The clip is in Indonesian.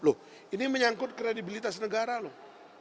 loh ini menyangkut kredibilitas negara loh